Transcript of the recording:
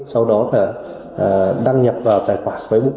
sau đó là đăng nhập vào tài khoản máy bụng